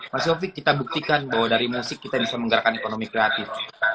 mas yofiq kita buktikan bahwa dari musik kita bisa menggerakkan ekonomi kreatif